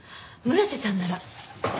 村瀬さんなら。